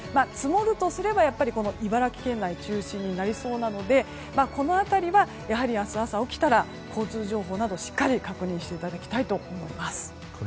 積もるとすれば茨城県内中心になりそうなのでこの辺りは明日朝、起きたら交通情報などをしっかり確認していただきたいと思います。